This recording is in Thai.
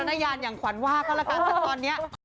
เขียนเมื่อก่อน